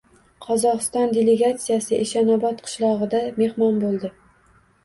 Qozog‘iston delegatsiyasi Eshonobod qishlog‘ida mehmon bo‘ldi